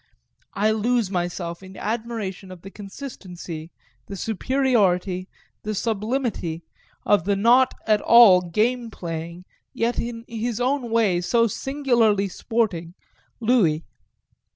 I lose myself in admiration of the consistency, the superiority, the sublimity, of the not at all game playing, yet in his own way so singularly sporting, Louis.